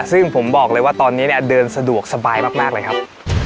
ซึ่งผมบอกเลยว่าตอนนี้เนี่ยเดินสะดวกสบายมากเลยครับ